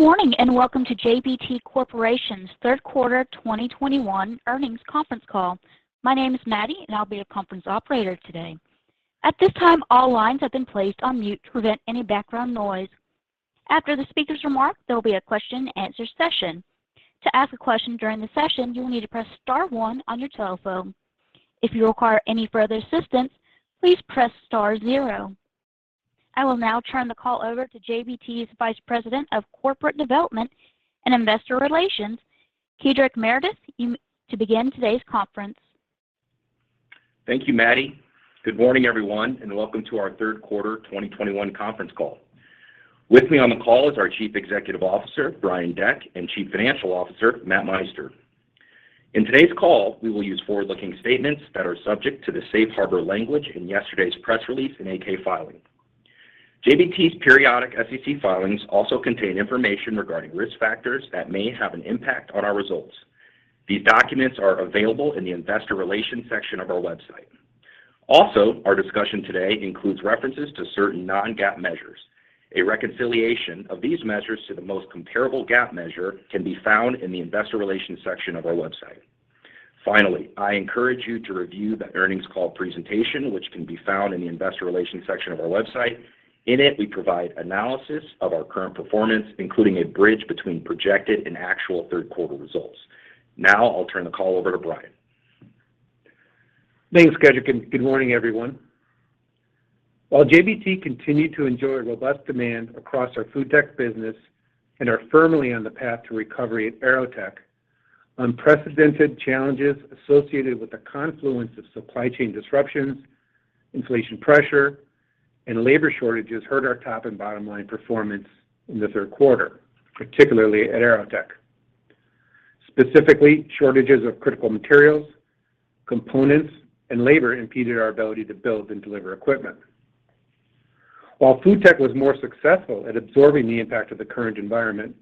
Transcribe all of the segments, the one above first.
Good morning, and welcome to JBT Corporation's third quarter 2021 earnings conference call. My name is Maddie, and I'll be your conference operator today. At this time, all lines have been placed on mute to prevent any background noise. After the speaker's remarks, there'll be a question and answer session. To ask a question during the session, you will need to press star one on your telephone. If you require any further assistance, please press star zero. I will now turn the call over to JBT's Vice President of Corporate Development and Investor Relations, Kedric Meredith to begin today's conference. Thank you, Maddie. Good morning, everyone, and welcome to our third quarter 2021 conference call. With me on the call is our Chief Executive Officer, Brian Deck, and Chief Financial Officer, Matthew Meister. In today's call, we will use forward-looking statements that are subject to the safe harbor language in yesterday's press release and 8-K filing. JBT's periodic SEC filings also contain information regarding risk factors that may have an impact on our results. These documents are available in the investor relations section of our website. Also, our discussion today includes references to certain non-GAAP measures. A reconciliation of these measures to the most comparable GAAP measure can be found in the investor relations section of our website. Finally, I encourage you to review the earnings call presentation which can be found in the investor relations section of our website. In it, we provide analysis of our current performance, including a bridge between projected and actual third quarter results. Now I'll turn the call over to Brian. Thanks, Kedric, and good morning, everyone. While JBT continued to enjoy robust demand across our FoodTech business and are firmly on the path to recovery at AeroTech, unprecedented challenges associated with the confluence of supply chain disruptions, inflation pressure, and labor shortages hurt our top and bottom line performance in the third quarter, particularly at AeroTech. Specifically, shortages of critical materials, components, and labor impeded our ability to build and deliver equipment. While FoodTech was more successful at absorbing the impact of the current environment,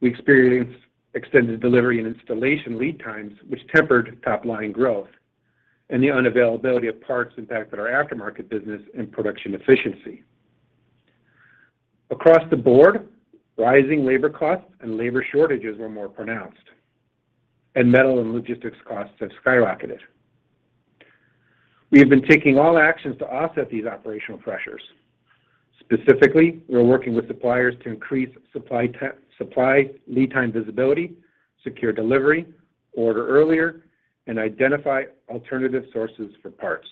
we experienced extended delivery and installation lead times which tempered top-line growth and the unavailability of parts impacted our aftermarket business and production efficiency. Across the board, rising labor costs and labor shortages were more pronounced, and metal and logistics costs have skyrocketed. We have been taking all actions to offset these operational pressures. Specifically, we are working with suppliers to increase supply lead time visibility, secure delivery, order earlier, and identify alternative sources for parts.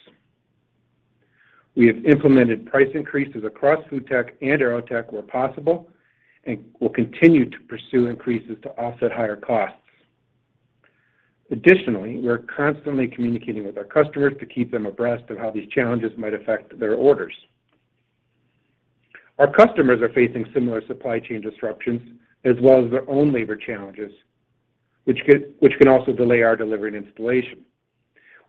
We have implemented price increases across FoodTech and AeroTech where possible and will continue to pursue increases to offset higher costs. Additionally, we are constantly communicating with our customers to keep them abreast of how these challenges might affect their orders. Our customers are facing similar supply chain disruptions as well as their own labor challenges which can also delay our delivery and installation.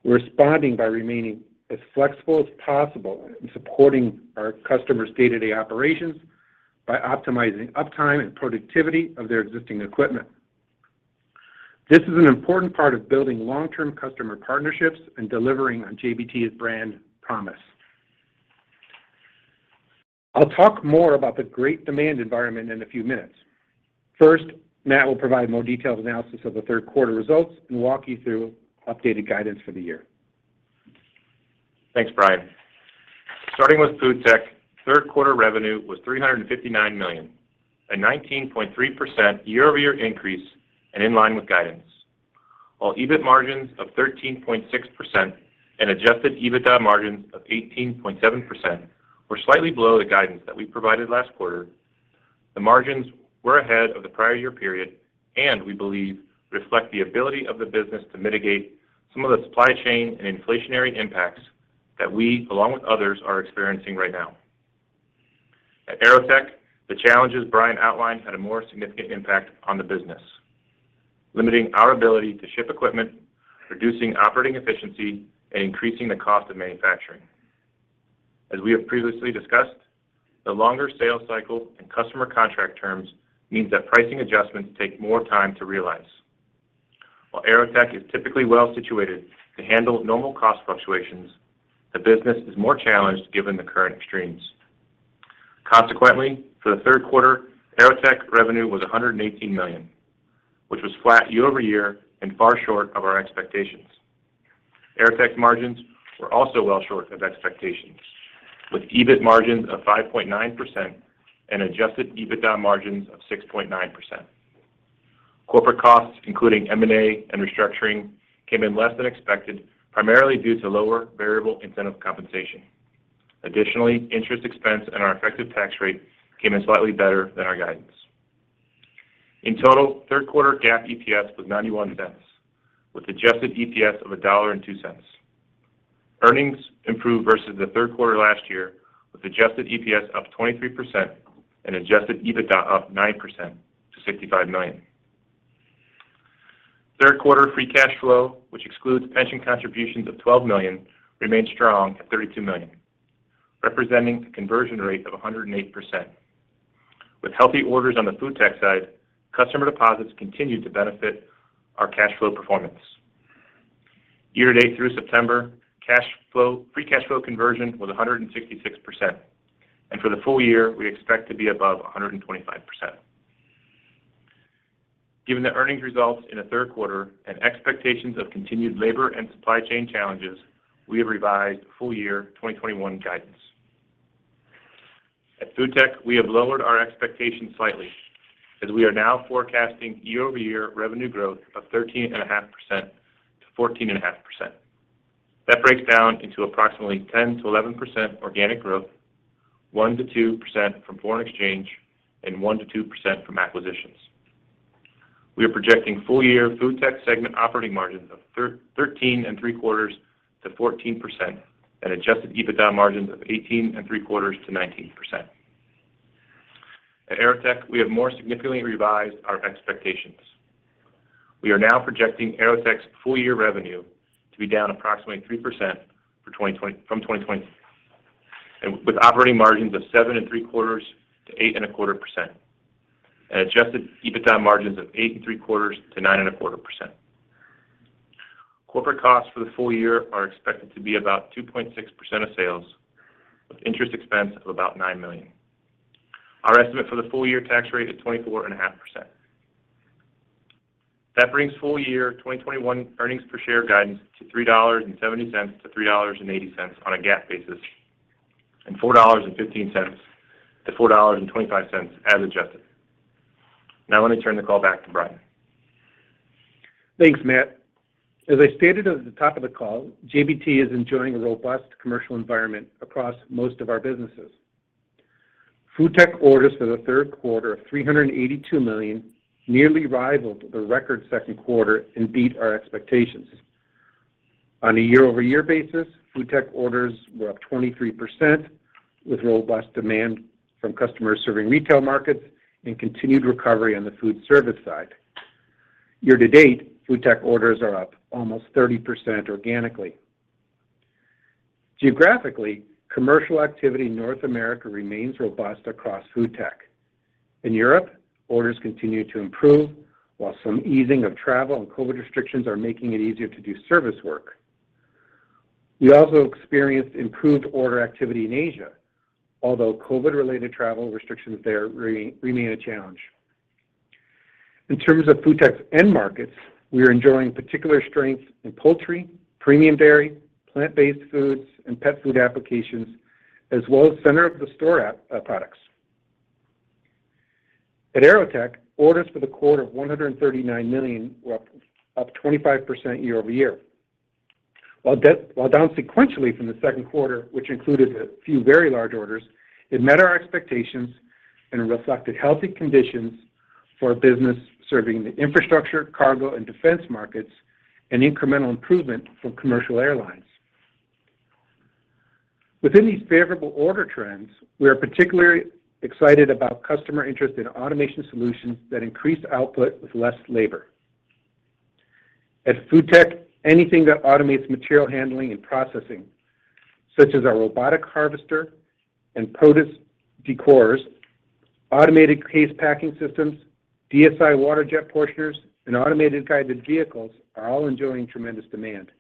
We're responding by remaining as flexible as possible in supporting our customers' day-to-day operations by optimizing uptime and productivity of their existing equipment. This is an important part of building long-term customer partnerships and delivering on JBT's brand promise. I'll talk more about the great demand environment in a few minutes. First, Matt will provide more detailed analysis of the third quarter results and walk you through updated guidance for the year. Thanks, Brian. Starting with FoodTech, third quarter revenue was $359 million, a 19.3% year-over-year increase and in line with guidance. While EBIT margins of 13.6% and adjusted EBITDA margins of 18.7% were slightly below the guidance that we provided last quarter, the margins were ahead of the prior year period and we believe reflect the ability of the business to mitigate some of the supply chain and inflationary impacts that we, along with others, are experiencing right now. At AeroTech, the challenges Brian outlined had a more significant impact on the business, limiting our ability to ship equipment, reducing operating efficiency, and increasing the cost of manufacturing. As we have previously discussed, the longer sales cycle and customer contract terms means that pricing adjustments take more time to realize. While AeroTech is typically well-situated to handle normal cost fluctuations, the business is more challenged given the current extremes. Consequently, for the third quarter, AeroTech revenue was $118 million, which was flat year-over-year and far short of our expectations. AeroTech's margins were also well short of expectations with EBIT margins of 5.9% and adjusted EBITDA margins of 6.9%. Corporate costs, including M&A and restructuring, came in less than expected, primarily due to lower variable incentive compensation. Additionally, interest expense and our effective tax rate came in slightly better than our guidance. In total, third quarter GAAP EPS was $0.91, with adjusted EPS of $1.02. Earnings improved versus the third quarter last year, with adjusted EPS up 23% and adjusted EBITDA up 9% to $65 million. Third quarter free cash flow, which excludes pension contributions of $12 million, remained strong at $32 million, representing a conversion rate of 108%. With healthy orders on the FoodTech side, customer deposits continued to benefit our cash flow performance. Year-to-date through September, free cash flow conversion was 166%. For the full year, we expect to be above 125%. Given the earnings results in the third quarter and expectations of continued labor and supply chain challenges, we have revised full-year 2021 guidance. At FoodTech, we have lowered our expectations slightly as we are now forecasting year-over-year revenue growth of 13.5%-14.5%. That breaks down into approximately 10%-11% organic growth, 1%-2% from foreign exchange, and 1%-2% from acquisitions. We are projecting full year FoodTech segment operating margins of 13.75%-14% and adjusted EBITDA margins of 18.75%-19%. At AeroTech, we have more significantly revised our expectations. We are now projecting AeroTech's full year revenue to be down approximately 3% for 2020 from 2019. With operating margins of 7.75%-8.25%. Adjusted EBITDA margins of 8.75%-9.25%. Corporate costs for the full year are expected to be about 2.6% of sales with interest expense of about $9 million. Our estimate for the full year tax rate is 24.5%. That brings full year 2021 earnings per share guidance to $3.70-$3.80 on a GAAP basis, and $4.15-$4.25 as adjusted. Now, let me turn the call back to Brian. Thanks, Matt. As I stated at the top of the call, JBT is enjoying a robust commercial environment across most of our businesses. FoodTech orders for the third quarter of $382 million nearly rivaled the record second quarter and beat our expectations. On a year-over-year basis, FoodTech orders were up 23% with robust demand from customers serving retail markets and continued recovery on the food service side. Year-to-date, FoodTech orders are up almost 30% organically. Geographically, commercial activity in North America remains robust across FoodTech. In Europe, orders continue to improve while some easing of travel and COVID restrictions are making it easier to do service work. We also experienced improved order activity in Asia, although COVID-related travel restrictions there remain a challenge. In terms of FoodTech's end markets, we are enjoying particular strength in poultry, premium dairy, plant-based foods, and pet food applications, as well as center-of-the-store products. At AeroTech, orders for the quarter of $139 million were up 25% year over year. While down sequentially from the second quarter, which included a few very large orders, it met our expectations and reflected healthy conditions for business serving the infrastructure, cargo, and defense markets and incremental improvement from commercial airlines. Within these favorable order trends, we are particularly excited about customer interest in automation solutions that increase output with less labor. At FoodTech, anything that automates material handling and processing, such as our robotic harvester and produce decorers, automated case packing systems, DSI waterjet portioners, and automated guided vehicles are all enjoying tremendous demand.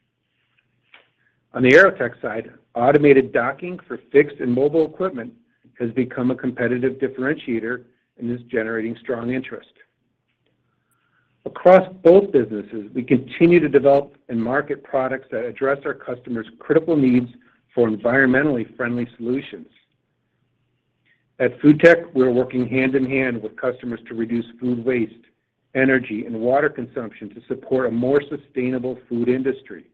On the AeroTech side, automated docking for fixed and mobile equipment has become a competitive differentiator and is generating strong interest. Across both businesses, we continue to develop and market products that address our customers' critical needs for environmentally friendly solutions. At FoodTech, we're working hand in hand with customers to reduce food waste, energy, and water consumption to support a more sustainable food industry.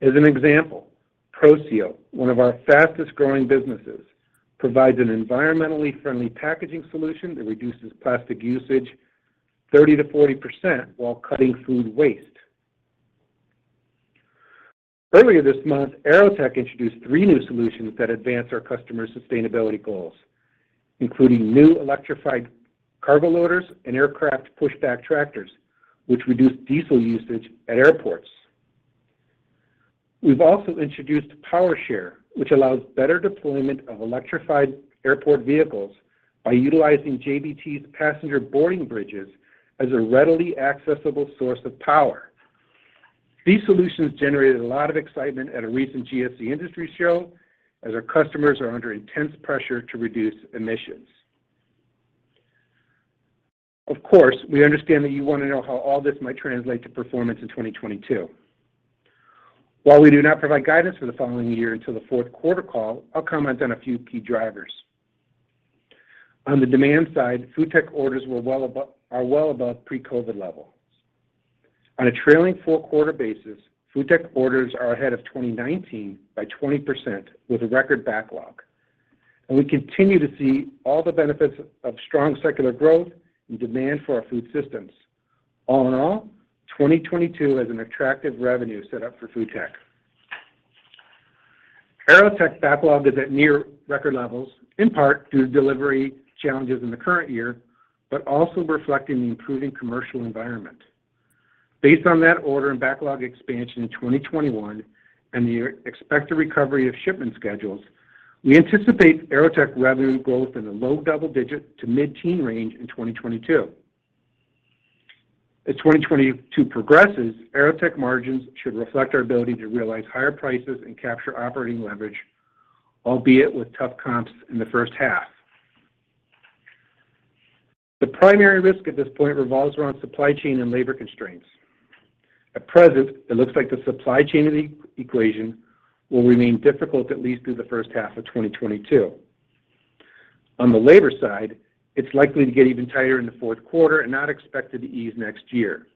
As an example, Proseal, one of our fastest-growing businesses, provides an environmentally friendly packaging solution that reduces plastic usage 30%-40% while cutting food waste. Earlier this month, AeroTech introduced three new solutions that advance our customers' sustainability goals, including new electrified cargo loaders and aircraft pushback tractors, which reduce diesel usage at airports. We've also introduced PowerShare, which allows better deployment of electrified airport vehicles by utilizing JBT's passenger boarding bridges as a readily accessible source of power. These solutions generated a lot of excitement at a recent GSE industry show as our customers are under intense pressure to reduce emissions. Of course, we understand that you wanna know how all this might translate to performance in 2022. While we do not provide guidance for the following year until the fourth quarter call, I'll comment on a few key drivers. On the demand side, FoodTech orders are well above pre-COVID levels. On a trailing 4-quarter basis, FoodTech orders are ahead of 2019 by 20% with a record backlog. We continue to see all the benefits of strong secular growth and demand for our food systems. All in all, 2022 has an attractive revenue set up for FoodTech. AeroTech's backlog is at near record levels, in part due to delivery challenges in the current year, but also reflecting the improving commercial environment. Based on that order and backlog expansion in 2021 and the expected recovery of shipment schedules. We anticipate AeroTech revenue growth in the low double-digit to mid-teens range in 2022. As 2022 progresses, AeroTech margins should reflect our ability to realize higher prices and capture operating leverage, albeit with tough comps in the first half. The primary risk at this point revolves around supply chain and labor constraints. At present, it looks like the supply chain of the equation will remain difficult at least through the first half of 2022. On the labor side, it's likely to get even tighter in the fourth quarter and not expected to ease next year.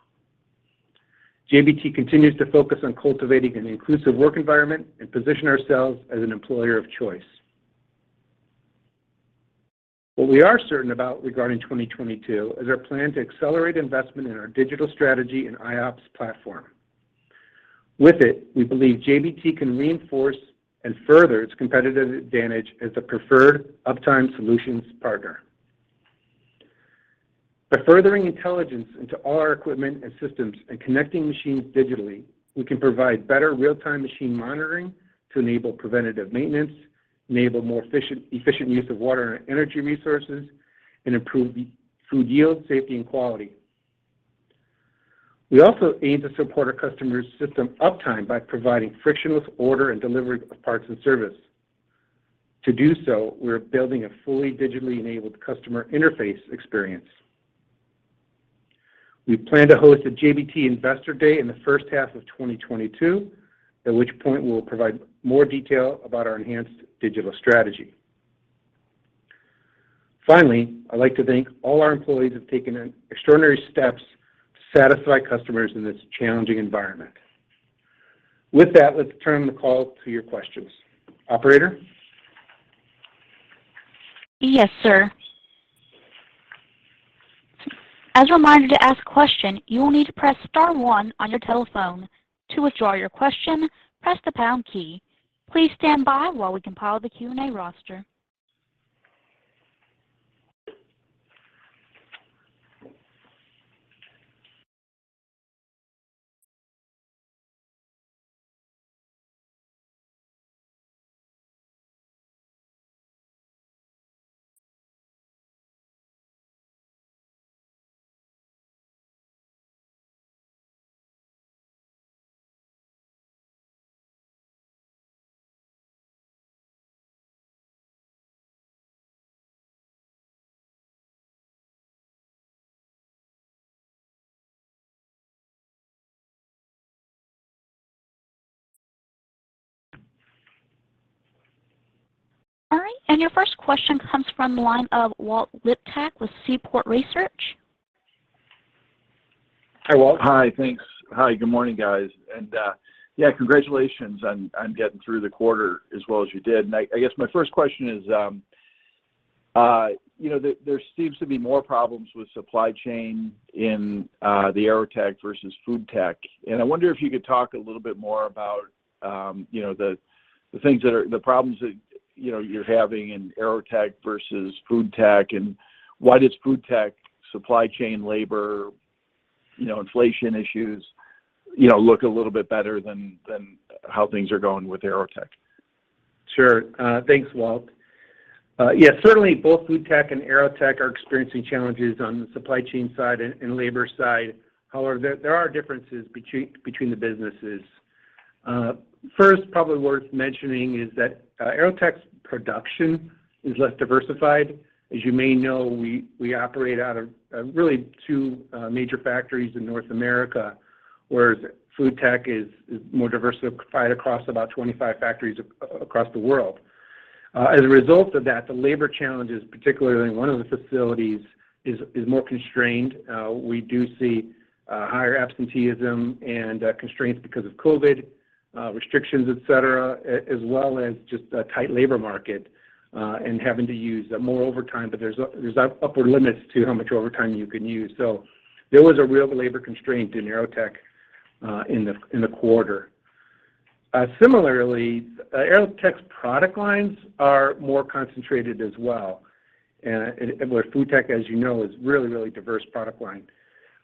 JBT continues to focus on cultivating an inclusive work environment and position ourselves as an employer of choice. What we are certain about regarding 2022 is our plan to accelerate investment in our digital strategy and iOPS platform. With it, we believe JBT can reinforce and further its competitive advantage as the preferred uptime solutions partner. By furthering intelligence into all our equipment and systems and connecting machines digitally, we can provide better real-time machine monitoring to enable preventative maintenance, enable more efficient use of water and energy resources, and improve food yield, safety, and quality. We also aim to support our customers' system uptime by providing frictionless order and delivery of parts and service. To do so, we're building a fully digitally enabled customer interface experience. We plan to host a JBT Investor Day in the first half of 2022, at which point we'll provide more detail about our enhanced digital strategy. Finally, I'd like to thank all our employees who have taken extraordinary steps to satisfy customers in this challenging environment. With that, let's turn the call to your questions. Operator? Yes, sir. As a reminder to ask a question, you will need to press star one on your telephone. To withdraw your question, press the pound key. Please stand by while we compile the Q&A roster. All right, your first question comes from the line of Walt Liptak with Seaport Research. Hi, Walt. Hi, thanks. Hi, good morning, guys. Yeah, congratulations on getting through the quarter as well as you did. I guess my first question is, you know, there seems to be more problems with supply chain in the AeroTech versus FoodTech. I wonder if you could talk a little bit more about, you know, the problems that, you know, you're having in AeroTech versus FoodTech, and why does FoodTech supply chain labor, you know, inflation issues, you know, look a little bit better than how things are going with AeroTech? Sure. Thanks, Walt. Yeah, certainly both FoodTech and AeroTech are experiencing challenges on the supply chain side and labor side. However, there are differences between the businesses. First, probably worth mentioning is that AeroTech's production is less diversified. As you may know, we operate out of really two major factories in North America, whereas FoodTech is more diversified across about 25 factories across the world. As a result of that, the labor challenges, particularly in one of the facilities, is more constrained. We do see higher absenteeism and constraints because of COVID restrictions, et cetera, as well as just a tight labor market and having to use more overtime. There's upper limits to how much overtime you can use. There was a real labor constraint in AeroTech in the quarter. Similarly, AeroTech's product lines are more concentrated as well. Where FoodTech, as you know, is really, really diverse product line.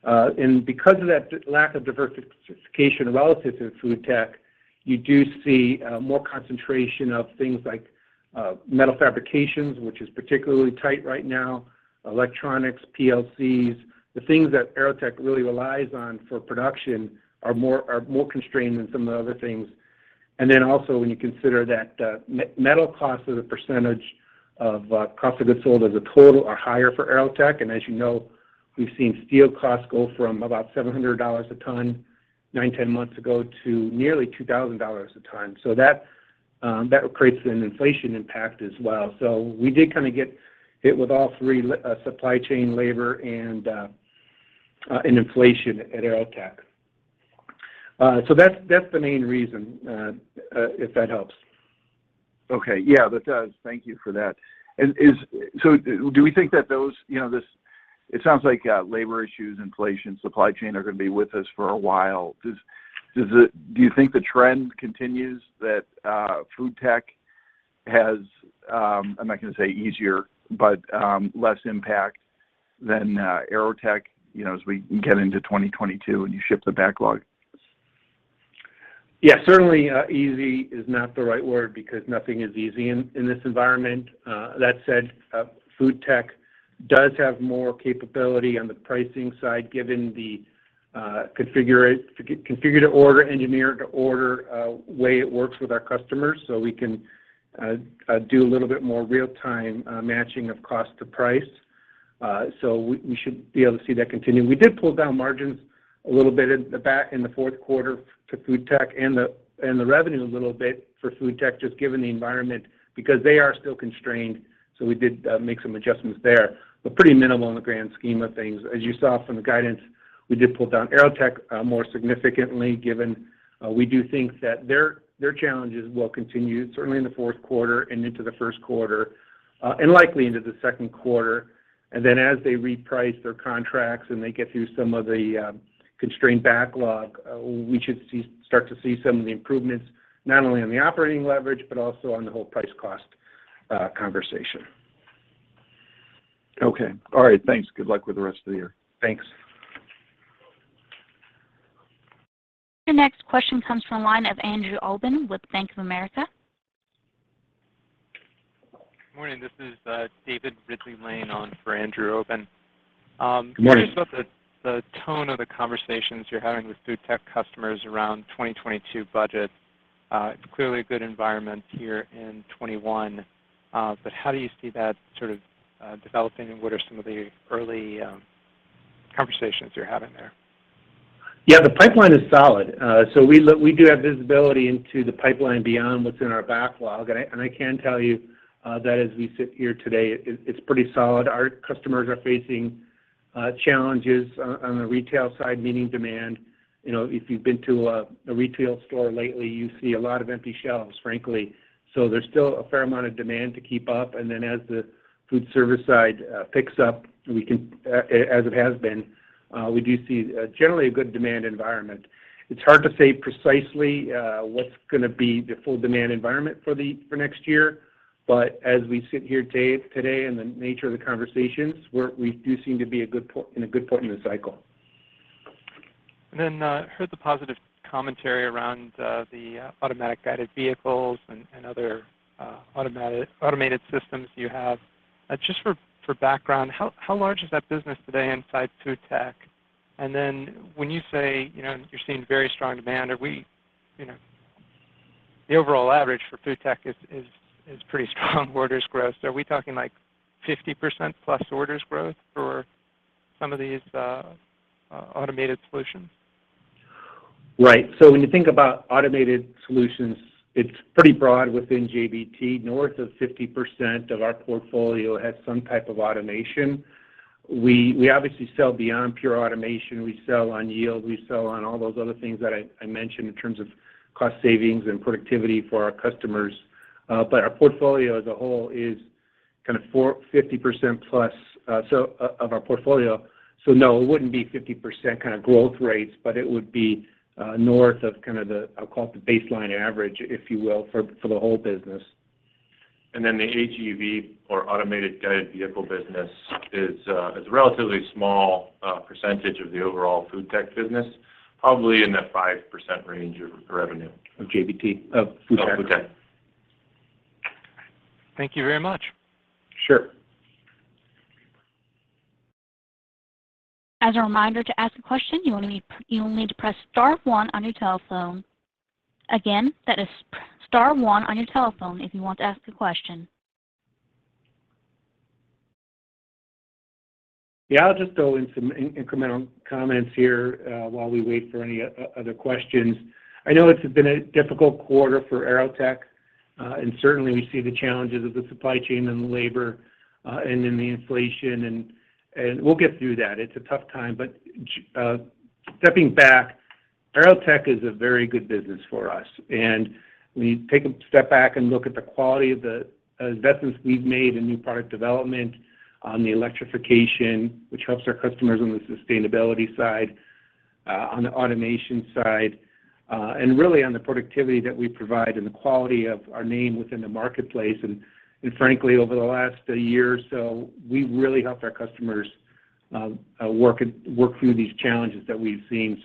Because of that lack of diversification relative to FoodTech, you do see more concentration of things like metal fabrications, which is particularly tight right now, electronics, PLCs. The things that AeroTech really relies on for production are more constrained than some of the other things. When you consider that metal costs as a percentage of cost of goods sold as a total are higher for AeroTech. As you know, we've seen steel costs go from about $700 a ton 9-10 months ago to nearly $2,000 a ton. That creates an inflation impact as well. We did kind of get hit with all three, supply chain, labor, and inflation at AeroTech. That's the main reason, if that helps. Okay. Yeah, that does. Thank you for that. Do we think that those, you know, it sounds like labor issues, inflation, supply chain are gonna be with us for a while. Do you think the trend continues that FoodTech has, I'm not gonna say easier, but less impact than AeroTech, you know, as we get into 2022 and you ship the backlog? Yeah, certainly, easy is not the right word because nothing is easy in this environment. That said, FoodTech does have more capability on the pricing side given the configure to order, engineer to order way it works with our customers. We can do a little bit more real-time matching of cost to price. We should be able to see that continue. We did pull down margins a little bit at the back in the fourth quarter to FoodTech and the revenue a little bit for FoodTech just given the environment because they are still constrained, so we did make some adjustments there. Pretty minimal in the grand scheme of things. As you saw from the guidance, we did pull down AeroTech more significantly given we do think that their challenges will continue certainly in the fourth quarter and into the first quarter and likely into the second quarter. Then as they reprice their contracts and they get through some of the constrained backlog, we should start to see some of the improvements not only on the operating leverage but also on the whole price cost conversation. Okay. All right. Thanks. Good luck with the rest of the year. Thanks. Your next question comes from the line of Andrew Obin with Bank of America. Good morning. This is David Ridley-Lane in for Andrew Obin. Morning. Curious about the tone of the conversations you're having with FoodTech customers around 2022 budget. It's clearly a good environment here in 2021. How do you see that sort of developing, and what are some of the early conversations you're having there? Yeah, the pipeline is solid. We do have visibility into the pipeline beyond what's in our backlog. I can tell you that as we sit here today, it's pretty solid. Our customers are facing challenges on the retail side, meaning demand. You know, if you've been to a retail store lately, you see a lot of empty shelves, frankly. There's still a fair amount of demand to keep up. Then as the food service side picks up, as it has been, we do see generally a good demand environment. It's hard to say precisely what's gonna be the full demand environment for next year. As we sit here today in the nature of the conversations, we do seem to be in a good point in the cycle. Heard the positive commentary around the automated guided vehicles and other automated systems you have. Just for background, how large is that business today inside FoodTech? When you say, you know, you're seeing very strong demand, are we? You know, the overall average for FoodTech is pretty strong orders growth. Are we talking like 50% plus orders growth for some of these automated solutions? Right. When you think about automated solutions, it's pretty broad within JBT. North of 50% of our portfolio has some type of automation. We obviously sell beyond pure automation. We sell on yield. We sell on all those other things that I mentioned in terms of cost savings and productivity for our customers. Our portfolio as a whole is kind of 50% plus of our portfolio. No, it wouldn't be 50% kind of growth rates, but it would be north of kind of the baseline average, I'll call it, for the whole business. The AGV or Automated Guided Vehicle business is a relatively small percentage of the overall FoodTech business, probably in the 5% range of revenue. Of JBT. Of FoodTech. Of FoodTech. Thank you very much. Sure. As a reminder to ask a question, you only need-- you only need to press star one on your telephone. Again, that is pr- star one on your telephone if you want to ask a question. Yeah, I'll just throw in some incremental comments here, while we wait for any other questions. I know it's been a difficult quarter for AeroTech. Certainly we see the challenges of the supply chain and the labor, and then the inflation, and we'll get through that. It's a tough time. Stepping back, AeroTech is a very good business for us, and we take a step back and look at the quality of the investments we've made in new product development on the electrification, which helps our customers on the sustainability side, on the automation side, and really on the productivity that we provide and the quality of our name within the marketplace. Frankly, over the last year or so, we've really helped our customers work through these challenges that we've seen.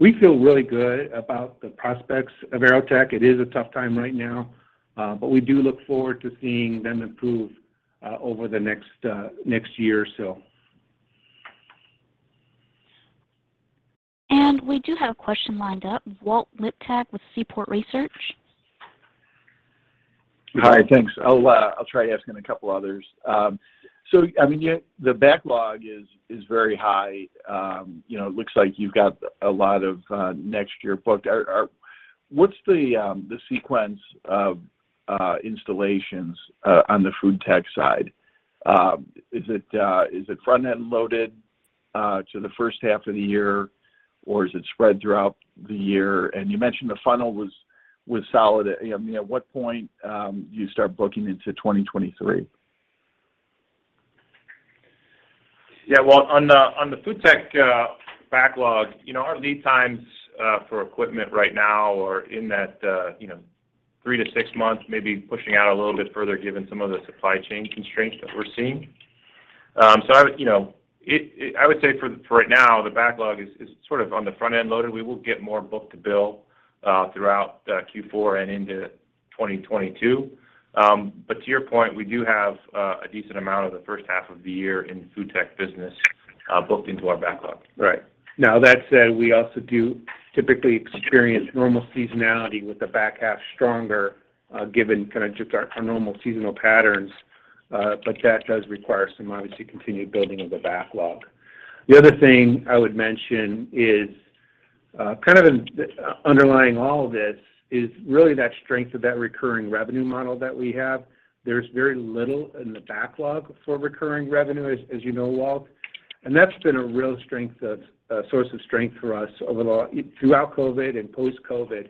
We feel really good about the prospects of AeroTech. It is a tough time right now, but we do look forward to seeing them improve over the next year or so. We do have a question lined up. Walt Liptak with Seaport Research. Hi. Thanks. I'll try asking a couple others. So I mean, yeah, the backlog is very high. You know, it looks like you've got a lot of next year booked. Are... What's the sequence of installations on the FoodTech side? Is it front-end loaded to the first half of the year, or is it spread throughout the year? You mentioned the funnel was solid. I mean, at what point do you start booking into 2023? Yeah. Well, on the FoodTech backlog, you know, our lead times for equipment right now are in that 3-6 months, maybe pushing out a little bit further given some of the supply chain constraints that we're seeing. You know, I would say for right now, the backlog is sort of on the front end loaded. We will get more book-to-bill throughout Q4 and into 2022. To your point, we do have a decent amount of the first half of the year in FoodTech business booked into our backlog. Right. Now, that said, we also do typically experience normal seasonality with the back half stronger, given kind of just our normal seasonal patterns. That does require some, obviously, continued building of the backlog. The other thing I would mention is, kind of in underlying all of this is really that strength of that recurring revenue model that we have. There's very little in the backlog for recurring revenue, as you know, Walt. That's been a real source of strength for us throughout COVID and post-COVID.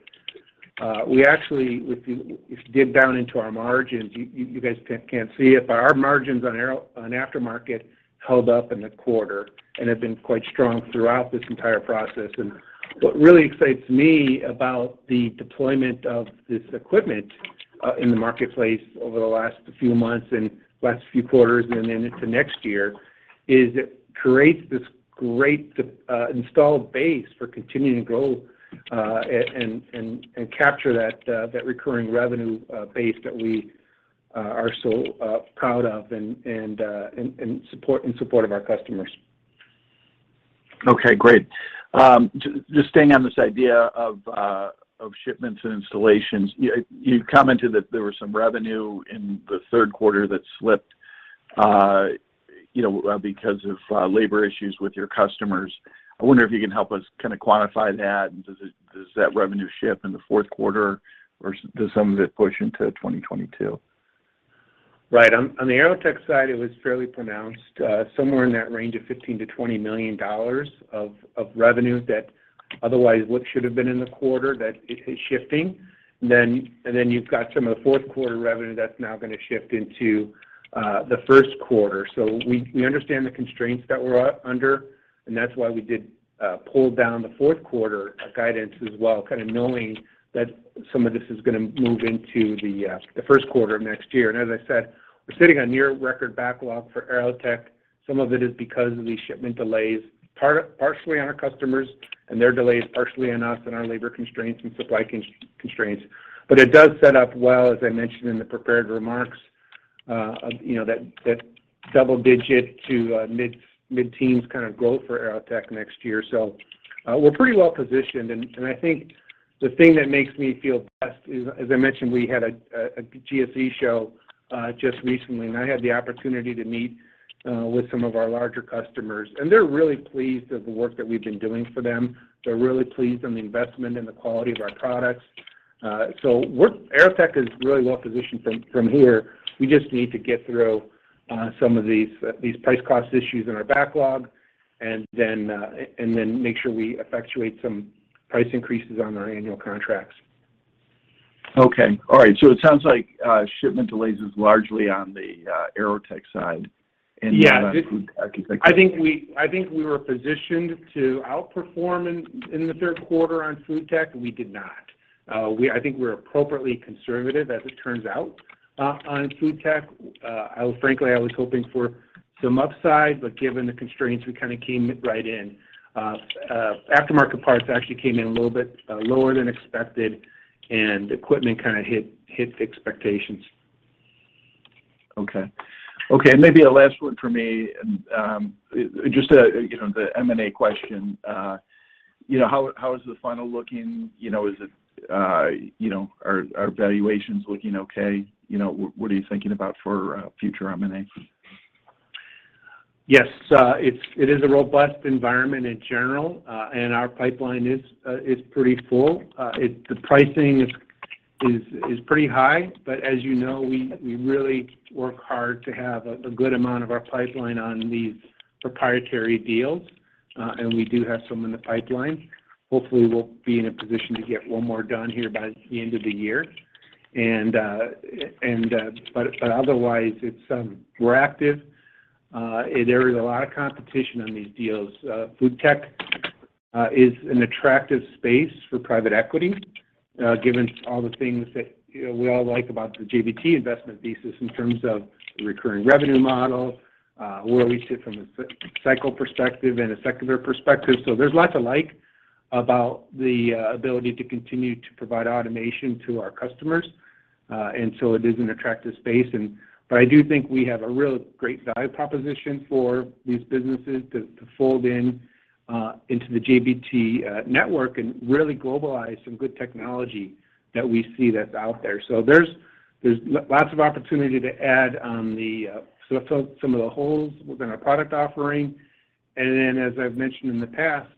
We actually, if you dig down into our margins, you guys can't see it, but our margins on Aero on aftermarket held up in the quarter and have been quite strong throughout this entire process. What really excites me about the deployment of this equipment in the marketplace over the last few months and last few quarters and into next year is it creates this great installed base for continuing growth and capture that recurring revenue base that we are so proud of and in support of our customers. Okay, great. Just staying on this idea of shipments and installations. You commented that there was some revenue in the third quarter that slipped because of labor issues with your customers. I wonder if you can help us kind of quantify that. Does that revenue shift in the fourth quarter, or does some of it push into 2022? Right. On the AeroTech side, it was fairly pronounced, somewhere in that range of $15 million-$20 million of revenue that otherwise would should have been in the quarter that is shifting. Then you've got some of the fourth quarter revenue that's now gonna shift into the first quarter. We understand the constraints that we're under, and that's why we did pull down the fourth quarter guidance as well, kind of knowing that some of this is gonna move into the first quarter of next year. As I said, we're sitting on near record backlog for AeroTech. Some of it is because of these shipment delays, partially on our customers and their delays, partially on us and our labor constraints and supply constraints. It does set up well, as I mentioned in the prepared remarks, you know, that double-digit to mid-teens kind of growth for AeroTech next year. We're pretty well positioned. I think the thing that makes me feel best is, as I mentioned, we had a GSE show just recently, and I had the opportunity to meet with some of our larger customers, and they're really pleased with the work that we've been doing for them. They're really pleased with the investment and the quality of our products. AeroTech is really well positioned from here. We just need to get through some of these price-cost issues in our backlog and then make sure we effectuate some price increases on our annual contracts. It sounds like shipment delays is largely on the AeroTech side and Yeah. Not FoodTech. I think we were positioned to outperform in the third quarter on FoodTech. We did not. I think we're appropriately conservative as it turns out on FoodTech. Frankly, I was hoping for some upside, but given the constraints, we kinda came right in. Aftermarket parts actually came in a little bit lower than expected, and equipment kinda hit expectations. Okay, maybe a last one for me. Just a, you know, the M&A question. You know, how is the funnel looking? You know, is it, you know. Are valuations looking okay? You know, what are you thinking about for future M&As? Yes. It is a robust environment in general, and our pipeline is pretty full. The pricing is pretty high, but as you know, we really work hard to have a good amount of our pipeline on these proprietary deals, and we do have some in the pipeline. Hopefully, we'll be in a position to get one more done here by the end of the year. Otherwise, we're active. There is a lot of competition on these deals. FoodTech is an attractive space for private equity, given all the things that, you know, we all like about the JBT investment thesis in terms of the recurring revenue model, where we sit from a cycle perspective and a secular perspective. There's lots to like about the ability to continue to provide automation to our customers. It is an attractive space but I do think we have a real great value proposition for these businesses to fold in into the JBT network and really globalize some good technology that we see that's out there. There's lots of opportunity to add on the some of the holes within our product offering. As I've mentioned in the past,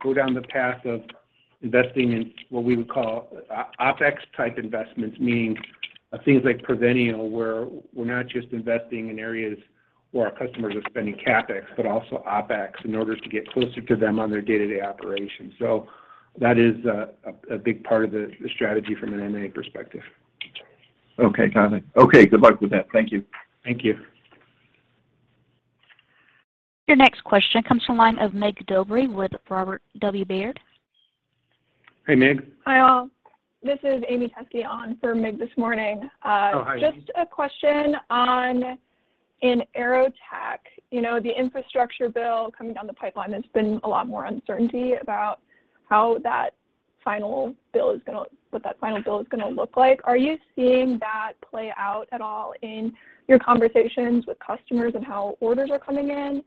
go down the path of investing in what we would call OpEx type investments, meaning things like Prevenio, where we're not just investing in areas where our customers are spending CapEx, but also OpEx in order to get closer to them on their day-to-day operations. That is a big part of the strategy from an M&A perspective. Okay, got it. Okay, good luck with that. Thank you. Thank you. Your next question comes from the line of Mircea Dobre with Robert W. Baird. Hey, Mig. Hi, all. This is Amy Teske on for Mig this morning. Oh, hi. Just a question on AeroTech. You know, the infrastructure bill coming down the pipeline, there's been a lot more uncertainty about what that final bill is gonna look like. Are you seeing that play out at all in your conversations with customers and how orders are coming in?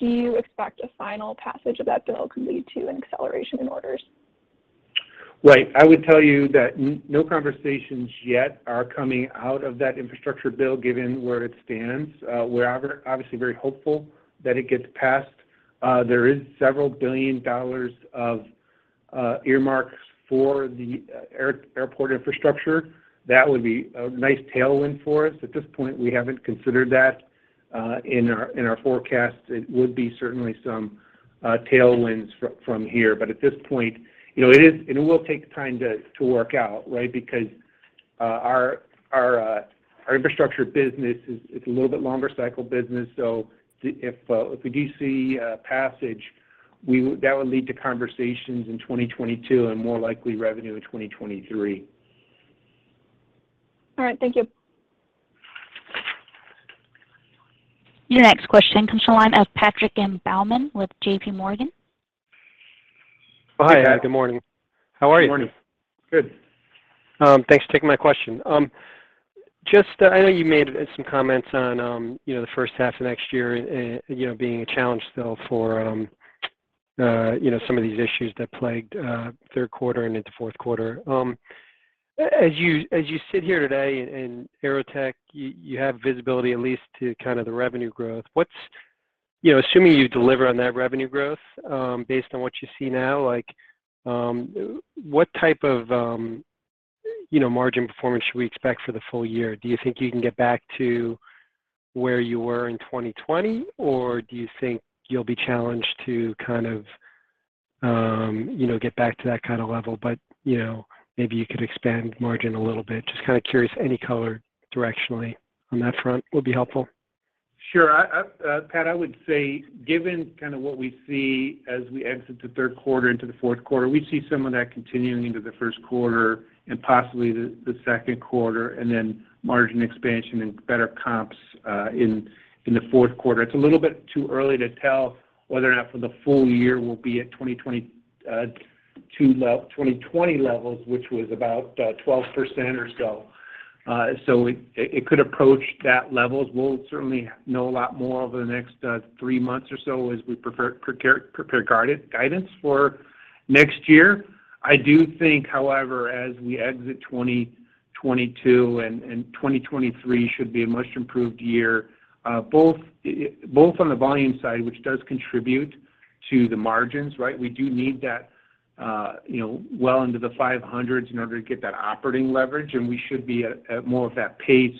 Do you expect a final passage of that bill could lead to an acceleration in orders? Right. I would tell you that no conversations yet are coming out of that infrastructure bill given where it stands. We're obviously very hopeful that it gets passed. There is $ several billion of earmarks for the airport infrastructure. That would be a nice tailwind for us. At this point, we haven't considered that in our forecast. It would be certainly some tailwinds from here. But at this point, you know, it will take time to work out, right? Because our infrastructure business is, it's a little bit longer cycle business. So if we do see passage, that would lead to conversations in 2022 and more likely revenue in 2023. All right. Thank you. Your next question comes from the line of Patrick M. Baumann with JPMorgan. Hi, Pat. Good morning. How are you? Morning. Thanks for taking my question. Just, I know you made some comments on, you know, the first half of next year, you know, being a challenge still for, you know, some of these issues that plagued third quarter and into fourth quarter. As you sit here today in AeroTech, you have visibility at least to kind of the revenue growth. You know, assuming you deliver on that revenue growth, based on what you see now, like, what type of, you know, margin performance should we expect for the full year? Do you think you can get back to where you were in 2020? Do you think you'll be challenged to kind of, you know, get back to that kind of level, but, you know, maybe you could expand margin a little bit? Just kind of curious. Any color directionally on that front would be helpful. Sure. Pat, I would say given kind of what we see as we exit the third quarter into the fourth quarter, we see some of that continuing into the first quarter and possibly the second quarter, and then margin expansion and better comps in the fourth quarter. It's a little bit too early to tell whether or not for the full year we'll be at 2022 levels, which was about 12% or so. So it could approach that level. We'll certainly know a lot more over the next three months or so as we prepare guidance for next year. I do think, however, as we exit 2022, and 2023 should be a much improved year, both on the volume side, which does contribute to the margins, right? We do need that, you know, well into the 500s in order to get that operating leverage, and we should be at more of that pace,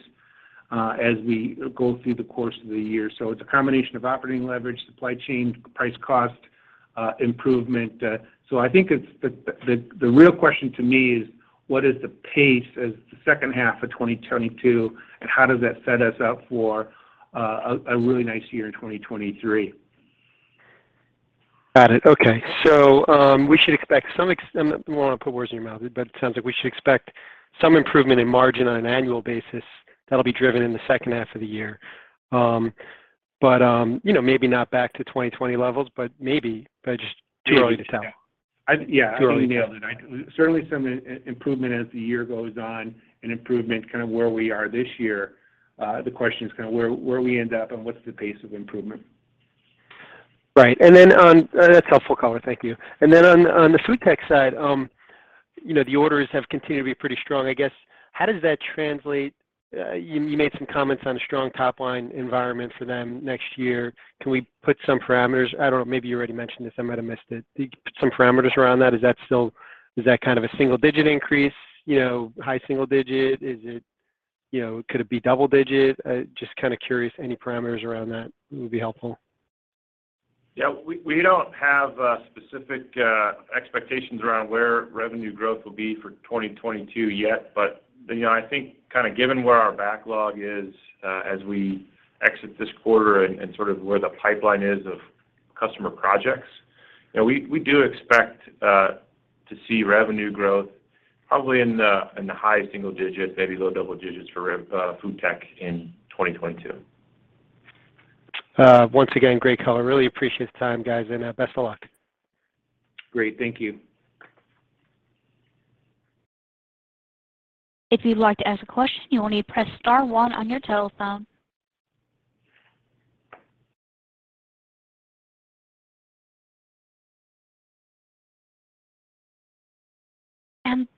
as we go through the course of the year. It's a combination of operating leverage, supply chain, price cost improvement. I think it's the real question to me is what is the pace as the second half of 2022, and how does that set us up for a really nice year in 2023. Got it. Okay. We should expect some improvement in margin on an annual basis that'll be driven in the second half of the year. I don't wanna put words in your mouth, but it sounds like we should expect some improvement in margin on an annual basis that'll be driven in the second half of the year. You know, maybe not back to 2020 levels, but maybe. Too early to tell. Too early to tell. Yeah. Too early. I think you nailed it. Certainly some improvement as the year goes on and improvement kind of where we are this year. The question is kind of where we end up and what's the pace of improvement. Right. That's helpful color. Thank you. On the FoodTech side, you know, the orders have continued to be pretty strong. How does that translate? You made some comments on a strong top-line environment for them next year. Can we put some parameters? I don't know, maybe you already mentioned this. I might have missed it. Put some parameters around that. Is that kind of a single digit increase? You know, high single digit? Is it, you know? Could it be double digit? Just kind of curious. Any parameters around that would be helpful. Yeah. We don't have specific expectations around where revenue growth will be for 2022 yet. You know, I think kind of given where our backlog is as we exit this quarter and sort of where the pipeline is of customer projects, you know, we do expect to see revenue growth probably in the high single-digit, maybe low double-digits for FoodTech in 2022. Once again, great color. Really appreciate the time, guys, and best of luck. Great. Thank you. If you'd like to ask a question, you only press star one on your telephone.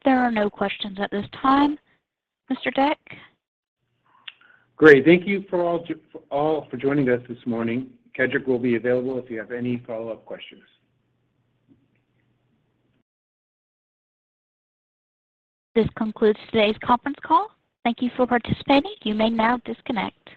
There are no questions at this time, Mr. Deck. Great. Thank you all for joining us this morning. Kedric will be available if you have any follow-up questions. This concludes today's conference call. Thank you for participating. You may now disconnect.